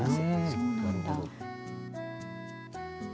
そうなんだ。